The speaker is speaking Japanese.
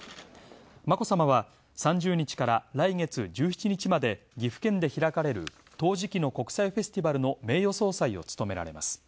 眞子さまは３０日から来月１７日まで岐阜県で開かれる陶磁器の国際フェスティバルの名誉総裁を務められます。